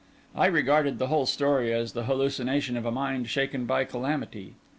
I regarded the whole story as the hallucination of a mind shaken by calamity.